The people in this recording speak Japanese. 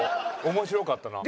面白かったな。